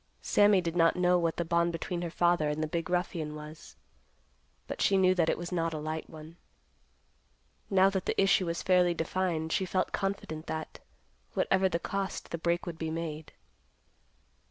Sammy did not know what the bond between her father and the big ruffian was, but she knew that it was not a light one. Now that the issue was fairly defined, she felt confident that, whatever the cost, the break would be made.